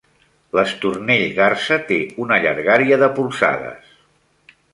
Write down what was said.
L'estornell garsa té una llargària de polzades.